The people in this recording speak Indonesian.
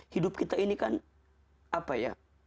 hidup kita ini kan apa ya